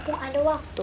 mumpung ada waktu